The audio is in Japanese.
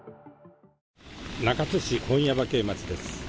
中津市本耶馬溪町です。